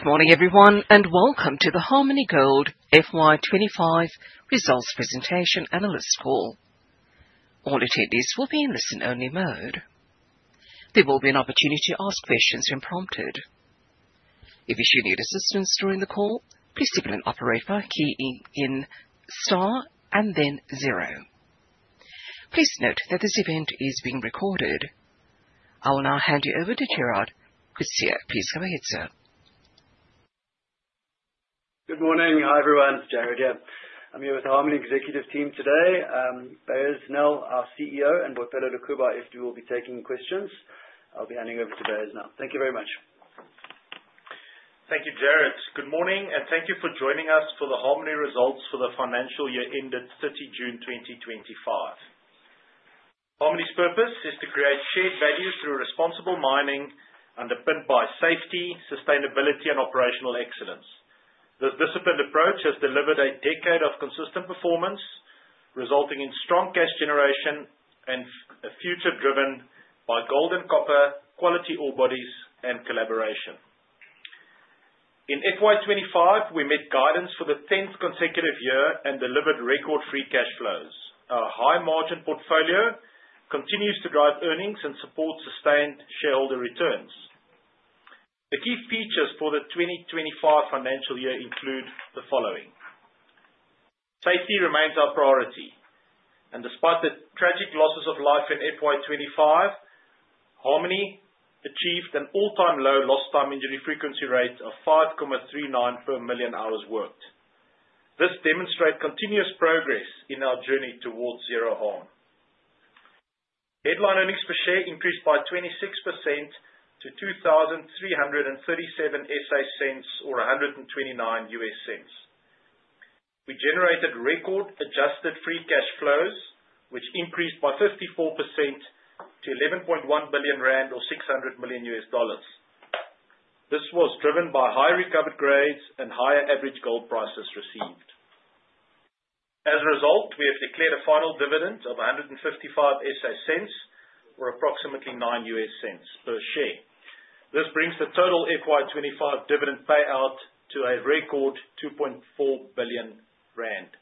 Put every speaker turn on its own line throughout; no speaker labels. Good morning everyone, and welcome to the Harmony Gold FY25 results presentation analyst call. All attendees will be in listen-only mode. There will be an opportunity to ask questions when prompted. If you should need assistance during the call, please signal an operator by keying in star and then zero. Please note that this event is being recorded. I will now hand you over to Jared Coetzer. Please go ahead, sir.
Good morning. Hi everyone, it's Jared here. I'm here with the Harmony executive team today. Beyers Nel, our CEO, and Boipelo Lekubo, FD, will be taking questions. I'll be handing over to Baz now. Thank you very much.
Thank you, Jared. Good morning, and thank you for joining us for the Harmony results for the financial year ended 30 June 2025. Harmony's purpose is to create shared value through responsible mining underpinned by safety, sustainability and operational excellence. This disciplined approach has delivered a decade of consistent performance, resulting in strong cash generation and a future driven by gold and copper, quality ore bodies, and collaboration. In FY 25, we met guidance for the 10th consecutive year and delivered record free cash flows. Our high margin portfolio continues to drive earnings and support sustained shareholder returns. The key features for the 2025 financial year include the following. Safety remains our priority, and despite the tragic losses of life in FY 25, Harmony achieved an all-time low lost time injury frequency rate of 5.39 per million hours worked. This demonstrate continuous progress in our journey towards zero harm. Headline earnings per share increased by 26% to ZAR 23.37 or $1.29. We generated record adjusted free cash flows, which increased by 54% to 11.1 billion rand or $600 million. This was driven by high recovered grades and higher average gold prices received. As a result, we have declared a final dividend of 1.55 or approximately $0.09 per share. This brings the total FY 2025 dividend payout to a record 2.4 billion rand.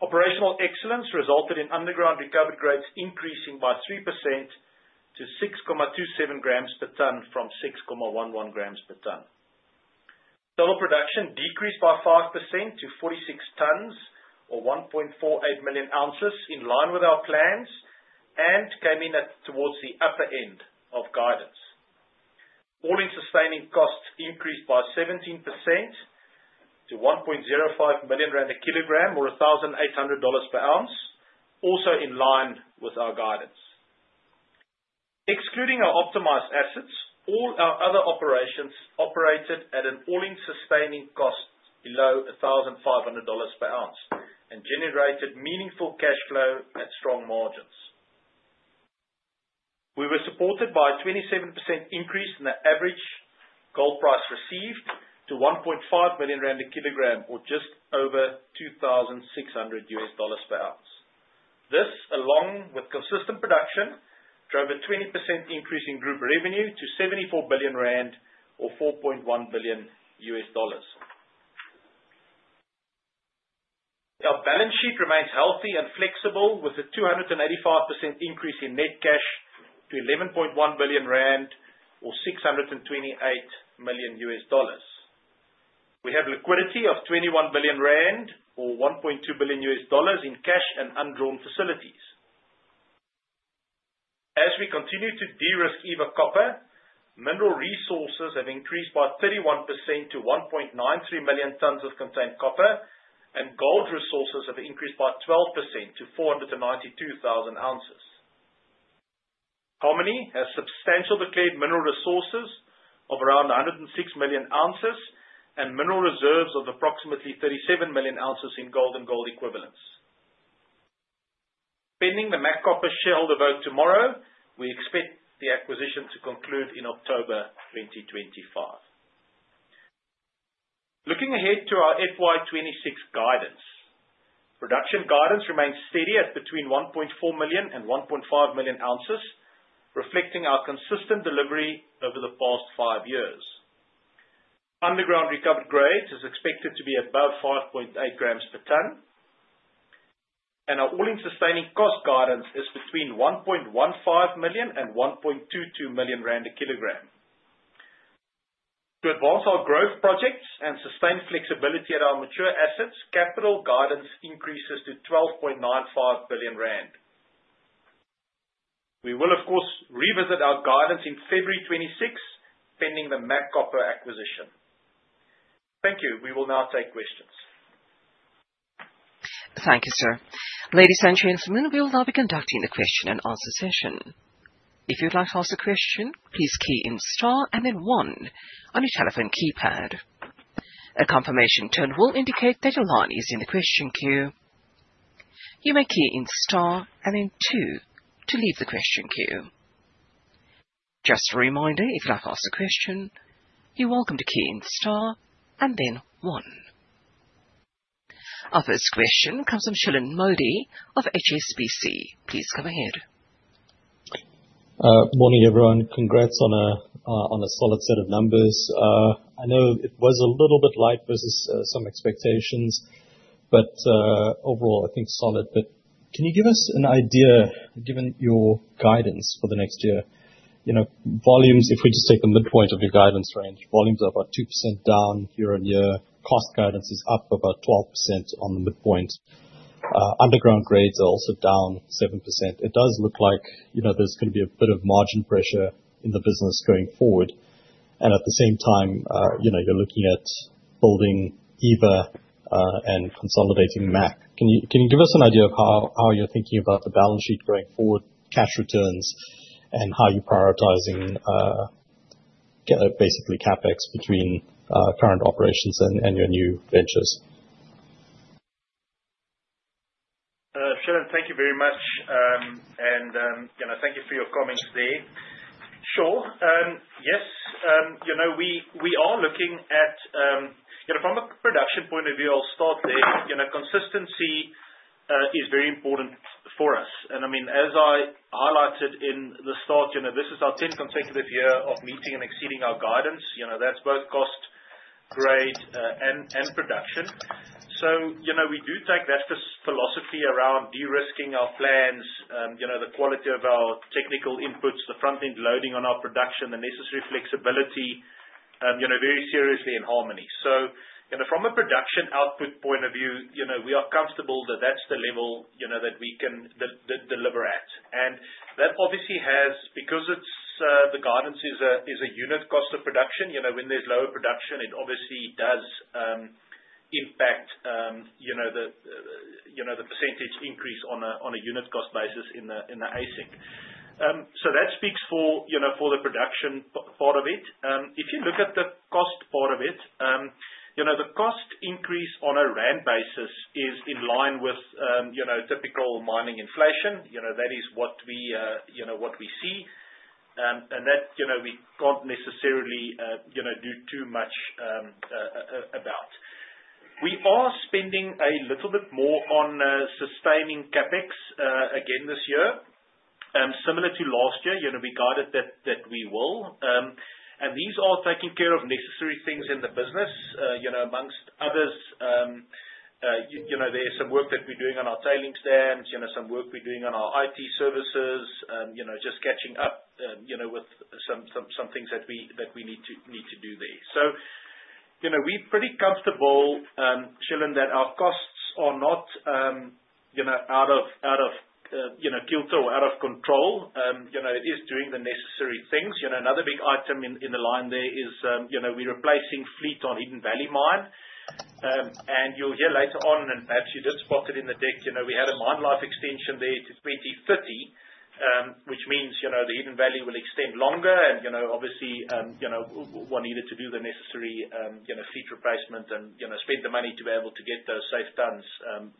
Operational excellence resulted in underground recovered grades increasing by 3% to 6.27 grams per tonne from 6.11 grams per tonne. Gold production decreased by 5% to 46 tonnes or 1.48 million ounces, in line with our plans, and came in towards the upper end of guidance. All-in sustaining costs increased by 17% to 1.05 million rand a kilogram, or $1,800 per ounce, also in line with our guidance. Excluding our optimized assets, all our other operations operated at an all-in sustaining cost below $1,500 per ounce and generated meaningful cash flow at strong margins. We were supported by a 27% increase in the average gold price received to 1.5 million rand a kilogram or just over $2,600 per ounce. This, along with consistent production, drove a 20% increase in group revenue to 74 billion rand or $4.1 billion. Our balance sheet remains healthy and flexible with a 285% increase in net cash to 11.1 billion rand or $628 million. We have liquidity of 21 billion rand or $1.2 billion in cash and undrawn facilities. As we continue to de-risk Eva Copper, mineral resources have increased by 31% to 1.93 million tonnes of contained copper, and gold resources have increased by 12% to 492,000 ounces. Harmony has substantial declared mineral resources of around 106 million ounces and mineral reserves of approximately 37 million ounces in gold and gold equivalents. Pending the MacCopper shareholder vote tomorrow, we expect the acquisition to conclude in October 2025. Looking ahead to our FY 2026 guidance. Production guidance remains steady at between 1.4 million and 1.5 million ounces, reflecting our consistent delivery over the past 5 years. Underground recovered grades is expected to be above 5.8 grams per tonne, and our all-in sustaining cost guidance is between 1.15 million and 1.22 million rand a kilogram. To advance our growth projects and sustain flexibility at our mature assets, capital guidance increases to 12.95 billion rand. We will of course revisit our guidance in February 2026, pending the MacCopper acquisition. Thank you. We will now take questions.
Thank you, sir. Ladies and gentlemen, we will now be conducting the question and answer session. If you'd like to ask a question, please key in star and then one on your telephone keypad. A confirmation tone will indicate that your line is in the question queue. You may key in star and then two to leave the question queue. Just a reminder, if you'd like to ask a question, you're welcome to key in star and then one. Our first question comes from Shilan Modi of HSBC. Please go ahead.
Morning, everyone. Congrats on a solid set of numbers. I know it was a little bit light versus some expectations, but overall, I think solid. Can you give us an idea, given your guidance for the next year, you know, volumes, if we just take the midpoint of your guidance range, volumes are about 2% down year-on-year, cost guidance is up about 12% on midpoint. Underground grades are also down 7%. It does look like, you know, there's gonna be a bit of margin pressure in the business going forward. At the same time, you know, you're looking at building Eva Copper and consolidating MacCopper. Can you give us an idea of how you're thinking about the balance sheet going forward, cash returns, and how you're prioritizing basically CapEx between current operations and your new ventures?
Shilan, thank you very much. You know, thank you for your comments there. Sure. Yes, you know, we are looking at. You know, from a production point of view, I'll start there. You know, consistency is very important for us. I mean, as I highlighted in the start, you know, this is our tenth consecutive year of meeting and exceeding our guidance. You know, that's both cost, grade, and production. You know, we do take that philosophy around de-risking our plans, you know, the quality of our technical inputs, the front-end loading on our production, the necessary flexibility, you know, very seriously in Harmony. You know, from a production output point of view, you know, we are comfortable that that's the level, you know, that we can deliver at. That obviously has, because it's the guidance is a unit cost of production, you know, when there's lower production, it obviously does impact, you know, the percentage increase on a unit cost basis in the AISC. So that speaks for, you know, for the production part of it. If you look at the cost part of it, you know, the cost increase on a rand basis is in line with, you know, typical mining inflation. You know, that is what we, you know, what we see. That, you know, we can't necessarily, you know, do too much about. We are spending a little bit more on sustaining CapEx again this year. Similar to last year, you know, we guided that we will. These are taking care of necessary things in the business. You know, among others, you know, there's some work that we're doing on our tailings dams, you know, some work we're doing on our IT services, you know, just catching up, you know, with some things that we need to do there. You know, we're pretty comfortable, Shilan, that our costs are not, you know, out of kilter or out of control. You know, it is doing the necessary things. You know, another big item in the line there is, you know, we're replacing fleet on Hidden Valley mine. You'll hear later on, and perhaps you did spot it in the deck, you know, we had a mine life extension there to 2030, which means, you know, the Hidden Valley will extend longer. You know, obviously, you know, we need to do the necessary, you know, fleet replacement and, you know, spend the money to be able to get those safe tons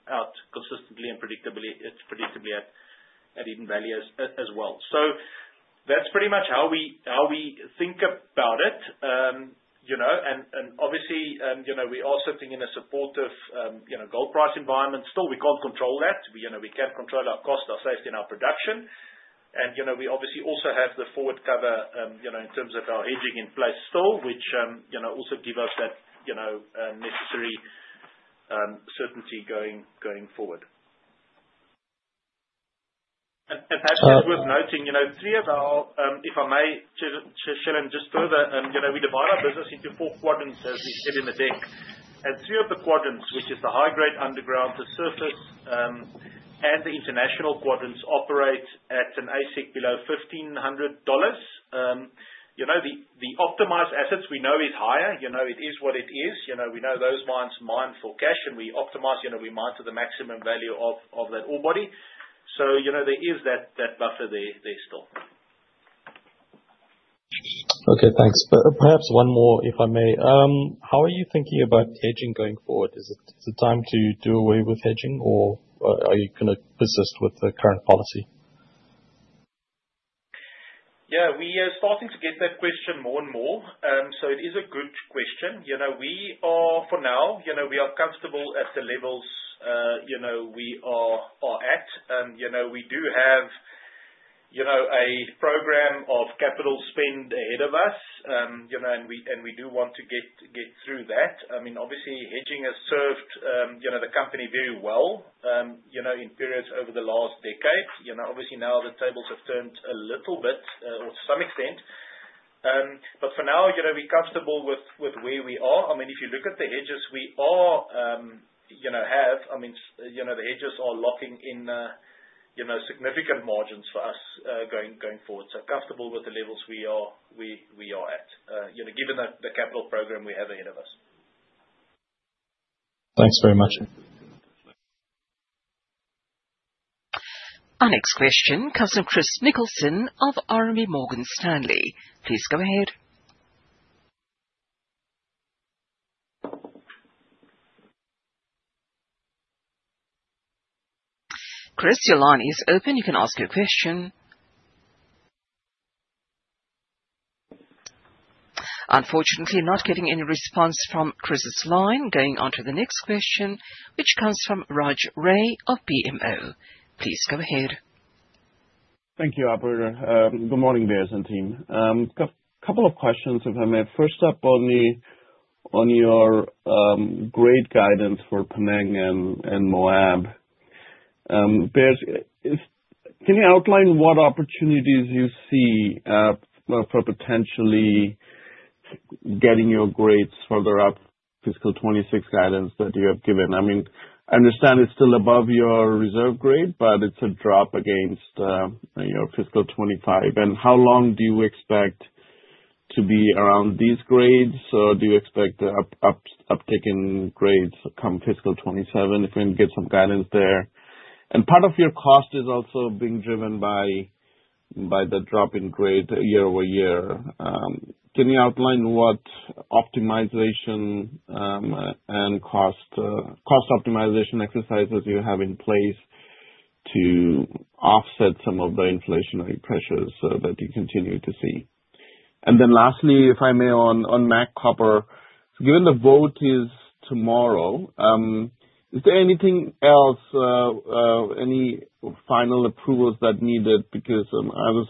out consistently and predictably. It's predictably at Hidden Valley as well. That's pretty much how we think about it. You know, and obviously, you know, we are sitting in a supportive, you know, gold price environment. Still, we can't control that. You know, we can control our cost, our safety, and our production. You know, we obviously also have the forward cover, you know, in terms of our hedging in place still, which, you know, also give us that, you know, necessary certainty going forward. Perhaps it's worth noting, you know, three of our, if I may, Shilan, just further, you know, we divide our business into four quadrants, as we said in the deck. Three of the quadrants, which is the high-grade underground, the surface, and the international quadrants operate at an AISC below $1,500. You know, the optimized assets we know is higher. You know, it is what it is. You know, we know those mines mine for cash, and we optimize, you know, we mine to the maximum value of that ore body. You know, there is that buffer there still.
Okay, thanks. Perhaps one more, if I may. How are you thinking about hedging going forward? Is it time to do away with hedging or are you gonna persist with the current policy?
Yeah, we are starting to get that question more and more. It is a good question. You know, we are for now, you know, we are comfortable at the levels, you know, we are at. You know, we do have, you know, a program of capital spend ahead of us, you know, and we do want to get through that. I mean, obviously hedging has served, you know, the company very well, you know, in periods over the last decade. You know, obviously now the tables have turned a little bit to some extent. For now, you know, we're comfortable with where we are. I mean, if you look at the hedges, I mean, you know, the hedges are locking in, you know, significant margins for us, going forward. Comfortable with the levels we are at, you know, given the capital program we have ahead of us.
Thanks very much.
Our next question comes from Christopher Nicholson of RMB Morgan Stanley. Please go ahead. Chris, your line is open. You can ask your question. Unfortunately, not getting any response from Chris's line. Going on to the next question, which comes from Raj Ray of BMO. Please go ahead.
Thank you, operator. Good morning, Beyers, and team. Couple of questions, if I may. First up on your great guidance for Mponeng and Moab. Beyers, can you outline what opportunities you see, well, for potentially getting your grades further up fiscal 2026 guidance that you have given? I mean, I understand it's still above your reserve grade, but it's a drop against, you know, fiscal 2025. How long do you expect to be around these grades? Or do you expect an uptick in grades come fiscal 2027, if we can get some guidance there. Part of your cost is also being driven by the drop in grade year-over-year. Can you outline what optimization and cost optimization exercises you have in place to offset some of the inflationary pressures that you continue to see? Lastly, if I may, on MacCopper. Given the vote is tomorrow, is there anything else, any final approvals that needed because, I was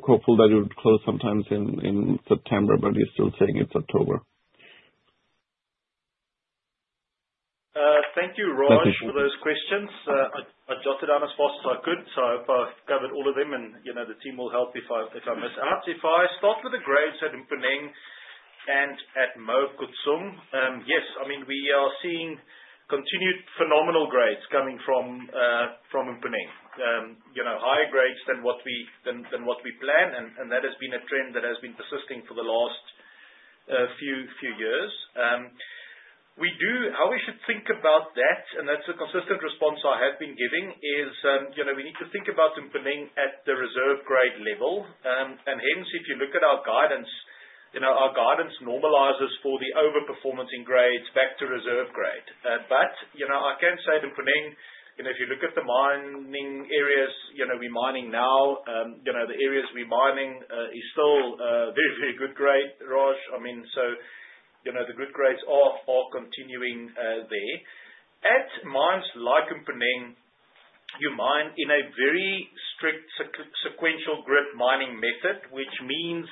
hopeful that it would close sometime in September, but you're still saying it's October.
Thank you, Raj-
That's it....
for those questions. I jotted down as fast as I could, so I hope I've covered all of them. You know, the team will help if I miss out. If I start with the grades at Mponeng and at Moab Khotsong, yes. I mean, we are seeing continued phenomenal grades coming from from Mponeng. You know, higher grades than what we than what we planned. That has been a trend that has been persisting for the last few years. How we should think about that, and that's a consistent response I have been giving is, you know, we need to think about Mponeng at the reserve grade level. And hence, if you look at our guidance, you know, our guidance normalizes for the over-performance in grades back to reserve grade. You know, I can say that Mponeng, you know, if you look at the mining areas, you know, we're mining now, you know, the areas we're mining is still very good grade, Raj. I mean, you know, the good grades are continuing there. At mines like Mponeng, you mine in a very strict sequential grid mining method, which means,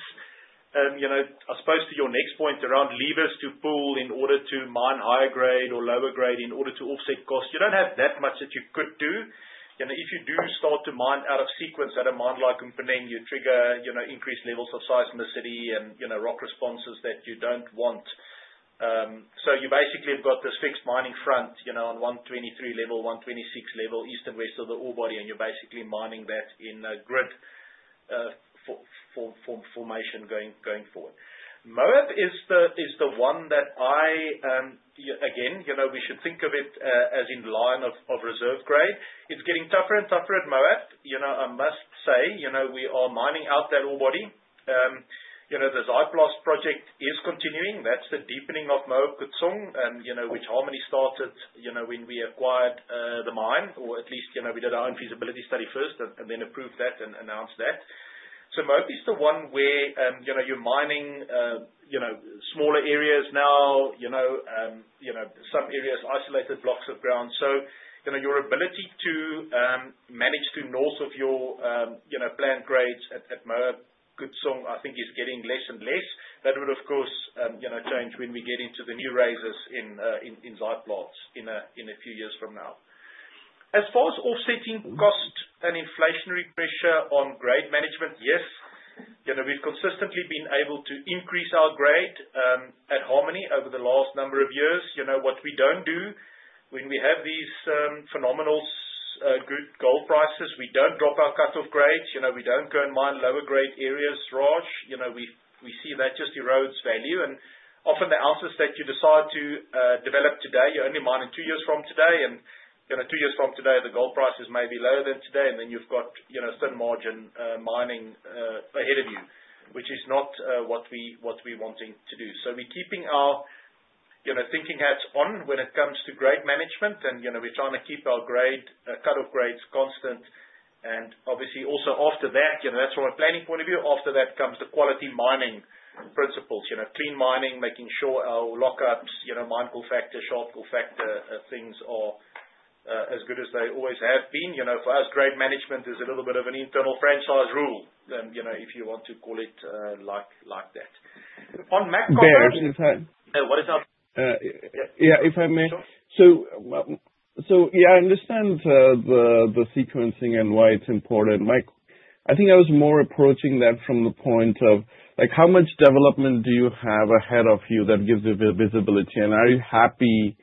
you know, I suppose to your next point around levers to pull in order to mine higher grade or lower grade in order to offset costs. You don't have that much that you could do. You know, if you do start to mine out of sequence at a mine like Mponeng, you trigger, you know, increased levels of seismicity and, you know, rock responses that you don't want. You basically have got this fixed mining front, you know, on 123 level, 126 level, east and west of the ore body, and you're basically mining that in a grid formation going forward. Moab is the one that I again, you know, we should think of it as in line of reserve grade. It's getting tougher and tougher at Moab. You know, I must say, you know, we are mining out that ore body. The Zaaiplaats project is continuing. That's the deepening of Moab Khotsong, you know, which Harmony started, you know, when we acquired the mine, or at least, you know, we did our own feasibility study first and then approved that and announced that. Moab Khotsong is the one where, you know, you're mining smaller areas now, you know, some areas isolated blocks of ground. You know, your ability to manage north of your planned grades at Moab Khotsong, I think is getting less and less. That would, of course, you know, change when we get into the new raises in Zaaiplaats in a few years from now. As far as offsetting cost and inflationary pressure on grade management, yes. You know, we've consistently been able to increase our grade at Harmony over the last number of years. You know, what we don't do when we have these phenomenal surge in gold prices, we don't drop our cut-off grades. You know, we don't go and mine lower grade areas, Raj. You know, we see that just erodes value. Often the ounces that you decide to develop today, you're only mining two years from today, and, you know, two years from today, the gold prices may be lower than today, and then you've got, you know, certain margin mining ahead of you. Which is not what we're wanting to do. We're keeping our, you know, thinking hats on when it comes to grade management and, you know, we're trying to keep our grade cut-off grades constant. Obviouly also after that, you know, that's from a planning point of view. After that comes the quality mining principles, you know, clean mining, making sure our lock-ups, you know, mine call factor, shortfall factor, things are as good as they always have been. You know, for us, grade management is a little bit of an internal franchise rather than, you know, if you want to call it, like that.
Beyers, if I
Yeah. What is that?
Yeah, if I may.
Sure.
Yeah, I understand the sequencing and why it's important. I think I was more approaching that from the point of, like, how much development do you have ahead of you that gives you visibility, and are you happy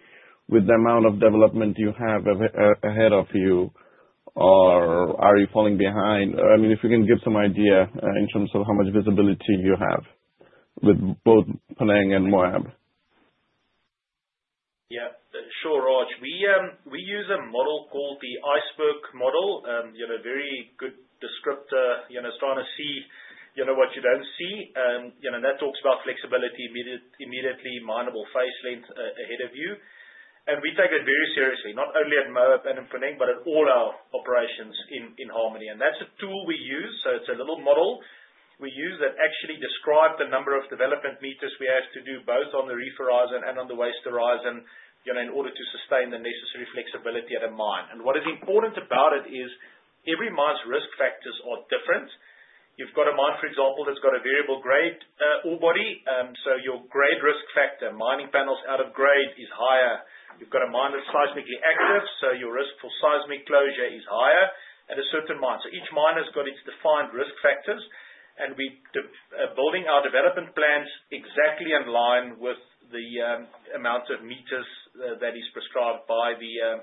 with the amount of development you have ahead of you? Or are you falling behind? I mean, if you can give some idea in terms of how much visibility you have with both Mponeng and Moab.
Yeah. Sure, Raj. We use a model called the Iceberg Model. You know, very good descriptor. You know, trying to see, you know, what you don't see. You know, and that talks about flexibility immediately, mineable face length, ahead of you. We take that very seriously, not only at Moab and Mponeng, but at all our operations in Harmony. That's a tool we use. It's a little model we use that actually describe the number of development meters we have to do, both on the reef horizon and on the waste horizon, you know, in order to sustain the necessary flexibility at a mine. What is important about it is every mine's risk factors are different. You've got a mine, for example, that's got a variable grade ore body, so your grade risk factor, mining panels out of grade is higher. You've got a mine that's seismically active, so your risk for seismic closure is higher at a certain mine. Each mine has got its defined risk factors and we Building our development plans exactly in line with the amount of meters that is prescribed by the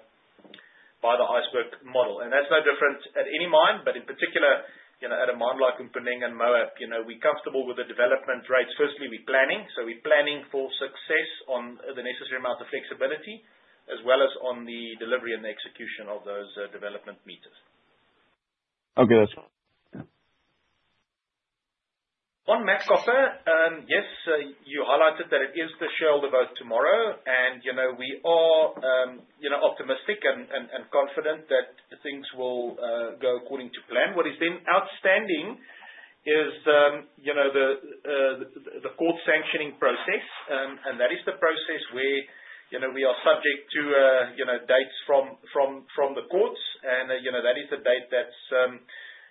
Iceberg Model. That's no different at any mine, but in particular, you know, at a mine like Mponeng and Moab, you know, we're comfortable with the development rates. Firstly, we planning. We planning for success on the necessary amount of flexibility as well as on the delivery and the execution of those development meters.
Okay, that's all. Yeah.
MacCopper, yes, you highlighted that it is the shareholder vote tomorrow. You know, we are, you know, optimistic and confident that things will go according to plan. What is then outstanding is, you know, the court sanctioning process. That is the process where, you know, we are subject to, you know, dates from the courts. You know, that is the date that's,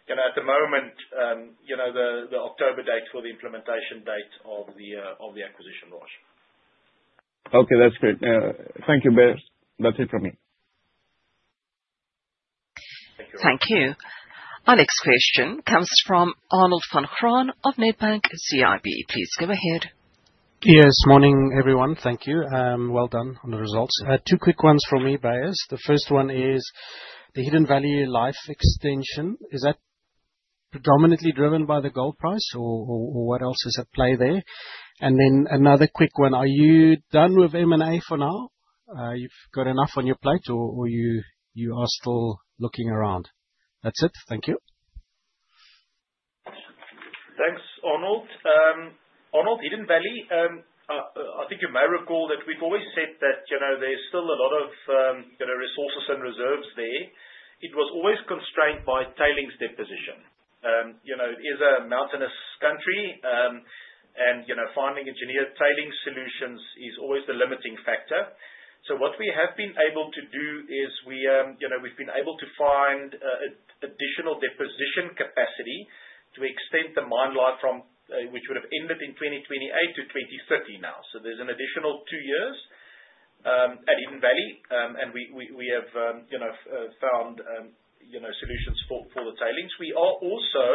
you know, at the moment, you know, the October date for the implementation date of the acquisition launch.
Okay, that's great. Thank you, Beyers. That's it from me.
Thank you.
Thank you. Our next question comes from Arnold van Graan of Nedbank CIB. Please go ahead.
Yes, morning, everyone. Thank you. Well done on the results. Two quick ones from me, Beyers. The first one is the Hidden Valley life extension. Is that predominantly driven by the gold price or what else is at play there? Another quick one. Are you done with M&A for now? You've got enough on your plate or you are still looking around? That's it. Thank you.
Thanks, Arnold. Arnold, Hidden Valley, I think you may recall that we've always said that, you know, there's still a lot of, you know, resources and reserves there. It was always constrained by tailings deposition. You know, it is a mountainous country, and, you know, finding engineered tailings solutions is always the limiting factor. What we have been able to do is we've been able to find additional deposition capacity to extend the mine life from which would have ended in 2028 to 2030 now. There's an additional 2 years at Hidden Valley. We have found solutions for the tailings. We are also,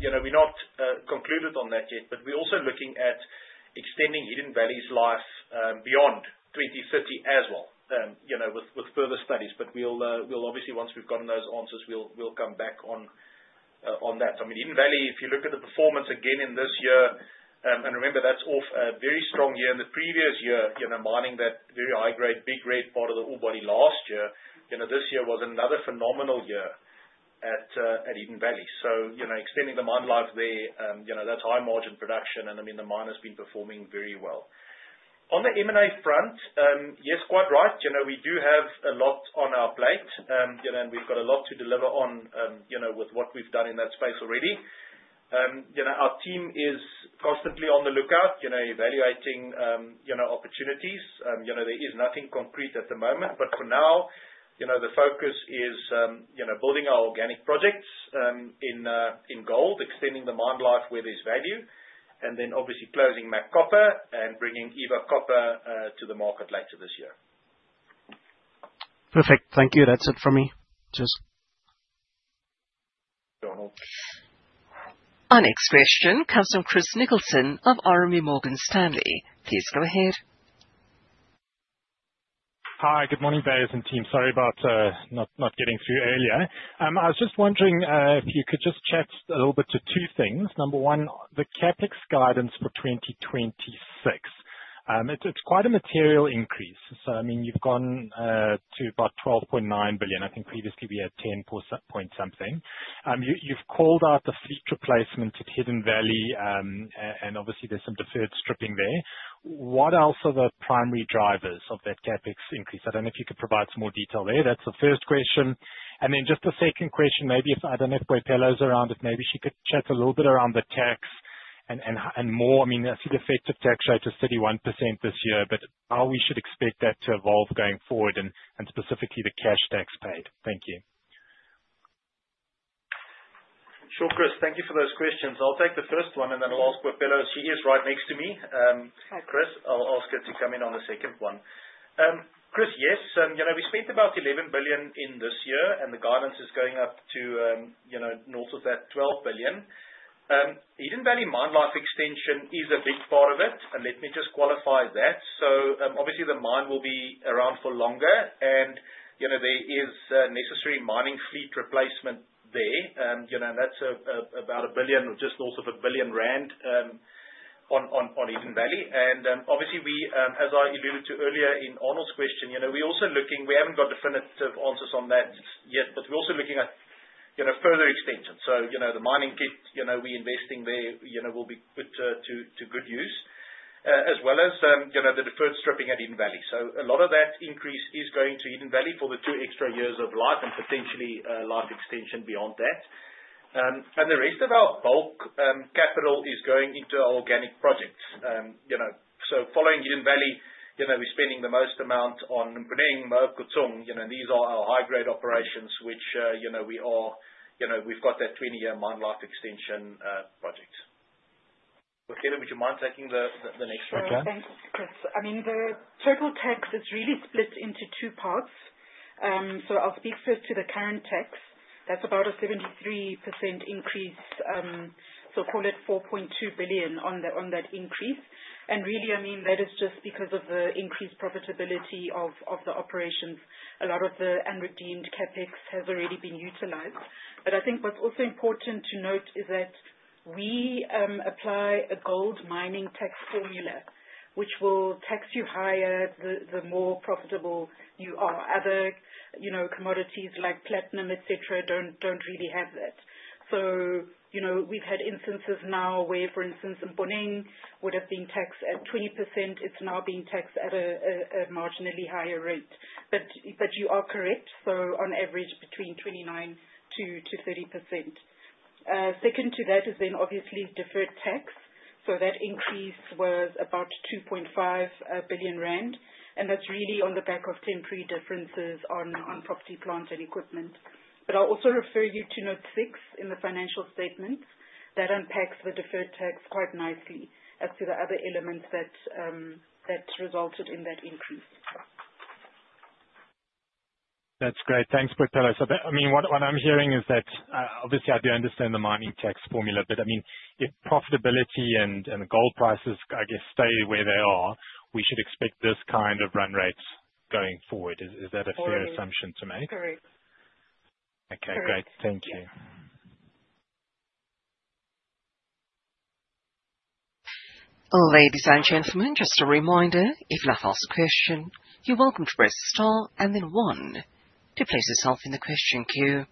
you know, we're not concluded on that yet. We're also looking at extending Hidden Valley's life beyond 2030 as well, you know, with further studies. We'll obviously, once we've gotten those answers, we'll come back on that. I mean, Hidden Valley, if you look at the performance again in this year, and remember that's off a very strong year in the previous year, you know, mining that very high grade, big grade part of the ore body last year. You know, this year was another phenomenal year at Hidden Valley. You know, extending the mine life there, that's high margin production. I mean, the mine has been performing very well. On the M&A front, yes, quite right. You know, we do have a lot on our plate, you know, and we've got a lot to deliver on, you know, with what we've done in that space already. You know, our team is constantly on the lookout, you know, evaluating, you know, opportunities. You know, there is nothing concrete at the moment. For now, you know, the focus is, you know, building our organic projects in gold, extending the mine life where there's value, and then obviously closing MacCopper and bringing Eva Copper to the market later this year.
Perfect. Thank you. That's it from me. Cheers.
Arnold.
Our next question comes from Christopher Nicholson of RMB Morgan Stanley. Please go ahead.
Hi. Good morning, Beyers and team. Sorry about not getting through earlier. I was just wondering if you could just chat a little bit about two things. Number one, the CapEx guidance for 2026. It's quite a material increase. I mean, you've gone to about 12.9 billion. I think previously we had 10 point something. You've called out the fleet replacement at Hidden Valley, and obviously there's some deferred stripping there. What else are the primary drivers of that CapEx increase? I don't know if you could provide some more detail there. That's the first question. Just a second question, maybe I don't know if Boipelo's around, but maybe she could chat a little bit about the tax and more. I mean, I see the effective tax rate is 31% this year, but how should we expect that to evolve going forward and specifically the cash tax paid. Thank you.
Sure, Chris. Thank you for those questions. I'll take the first one, and then I'll ask Boipelo. She is right next to me.
Hi.
Chris, I'll ask her to come in on the second one. Chris, yes, you know, we spent about 11 billion this year, and the guidance is going up to, you know, north of that 12 billion. Hidden Valley mine life extension is a big part of it, and let me just qualify that. Obviously the mine will be around for longer and, you know, there is necessary mining fleet replacement there. You know, that's about 1 billion or just north of 1 billion rand, on Hidden Valley. Obviously, as I alluded to earlier in Arnold's question, you know, we haven't got definitive answers on that yet, but we're also looking at you know, further extension. You know, the mining pit, you know, we investing there, you know, will be put to good use, as well as, you know, the deferred stripping at Hidden Valley. A lot of that increase is going to Hidden Valley for the two extra years of life and potentially life extension beyond that. The rest of our bulk capital is going into organic projects. You know, following Hidden Valley, you know, we're spending the most amount on Mponeng, Moab Khotsong. You know, these are our high-grade operations which, you know, we've got that 20-year mine life extension project. Boipelo, would you mind taking the next one?
Thanks, Chris. I mean, the total tax is really split into two parts. I'll speak first to the current tax. That's about a 73% increase, so call it 4.2 billion on that increase. Really, I mean, that is just because of the increased profitability of the operations. A lot of the unredeemed CapEx has already been utilized. I think what's also important to note is that we apply a gold mining tax formula, which will tax you higher the more profitable you are. Other, you know, commodities like platinum, et cetera, don't really have that. You know, we've had instances now where, for instance, Mponeng would have been taxed at 20%. It's now being taxed at a marginally higher rate. You are correct, so on average between 29%-30%. Second to that has been obviously deferred tax. That increase was about 2.5 billion rand, and that's really on the back of temporary differences on property, plant and equipment. I'll also refer you to note 6 in the financial statements. That unpacks the deferred tax quite nicely as to the other elements that resulted in that increase.
That's great. Thanks, Boipelo. I mean, what I'm hearing is that, obviously I do understand the mining tax formula, but, I mean, if profitability and gold prices, I guess, stay where they are, we should expect this kind of run rates going forward. Is that a fair assumption to make?
Correct.
Okay, great. Thank you.
Ladies and gentlemen, just a reminder, if you'd like to ask a question, you're welcome to press star and then one to place yourself in the question queue.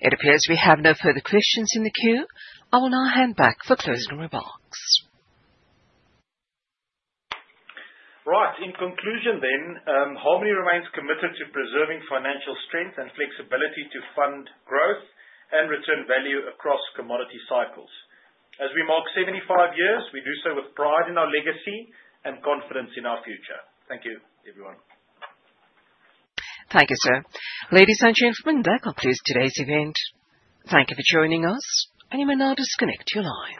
It appears we have no further questions in the queue. I will now hand back for closing remarks.
Right. In conclusion then, Harmony remains committed to preserving financial strength and flexibility to fund growth and return value across commodity cycles. As we mark 75 years, we do so with pride in our legacy and confidence in our future. Thank you, everyone.
Thank you, sir. Ladies and gentlemen, that concludes today's event. Thank you for joining us, and you may now disconnect your line.